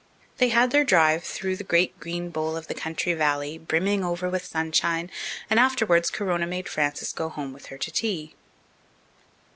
They had their drive through the great green bowl of the country valley, brimming over with sunshine, and afterwards Corona made Frances go home with her to tea.